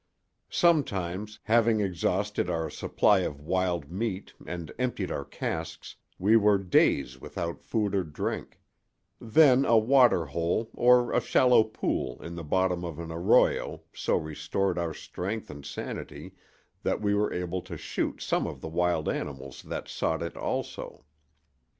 Sometimes, having exhausted our supply of wild meat and emptied our casks, we were days without food or drink; then a water hole or a shallow pool in the bottom of an arroyo so restored our strength and sanity that we were able to shoot some of the wild animals that sought it also.